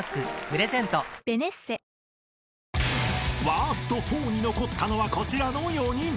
［ワースト４に残ったのはこちらの４人］